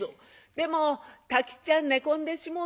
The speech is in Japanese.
「でも太吉っちゃん寝込んでしもうたぞ。